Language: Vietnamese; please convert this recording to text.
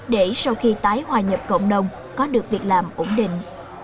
để sau khi tái hòa nhập cộng đồng có được việc làm ổn định